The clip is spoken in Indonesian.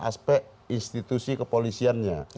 aspek institusi kepolisiannya